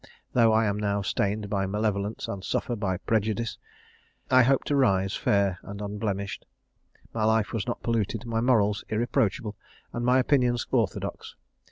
Though I am now stained by malevolence and suffer by prejudice, I hope to rise fair and unblemished. My life was not polluted, my morals irreproachable, and my opinions orthodox.